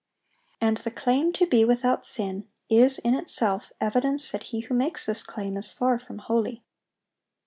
And the claim to be without sin is, in itself, evidence that he who makes this claim is far from holy.